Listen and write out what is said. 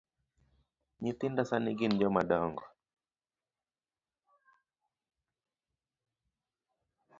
Nyithinda sani gin jomadongo.